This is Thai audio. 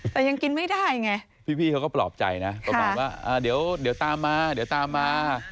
แต่ยังกินไม่ได้ไงพี่เขาก็ปลอบใจนะประมาณว่าเดี๋ยวตามมาเดี๋ยวตามมา